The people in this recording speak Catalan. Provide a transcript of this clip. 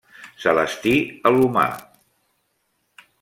Celestí Alomar.